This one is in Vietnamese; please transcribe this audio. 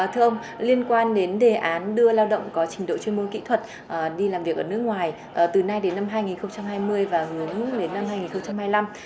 thưa ông liên quan đến đề án đưa lao động có trình độ chuyên môn kỹ thuật đi làm việc ở nước ngoài từ nay đến năm hai nghìn hai mươi và hướng đến năm hai nghìn hai mươi năm